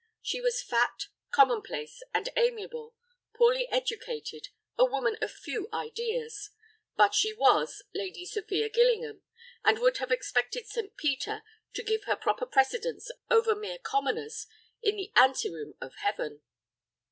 She was fat, commonplace, and amiable, poorly educated, a woman of few ideas. But she was Lady Sophia Gillingham, and would have expected St. Peter to give her proper precedence over mere commoners in the anteroom of heaven.